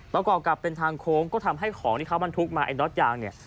แล้วก็เอากลับเป็นทางโค้งก็ทำให้ของที่เขามันทุกมาไอ้รถยางเนี่ย